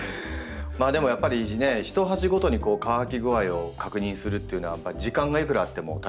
でもやっぱりね一鉢ごとに乾き具合を確認するっていうのはやっぱり時間がいくらあっても足りないですよね。